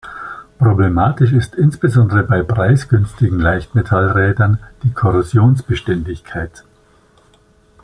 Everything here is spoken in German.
Problematisch ist insbesondere bei preisgünstigen Leichtmetallrädern die Korrosionsbeständigkeit.